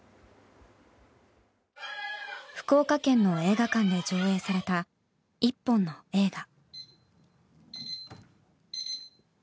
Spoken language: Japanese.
福岡県の映画館で上映された、１本の映画。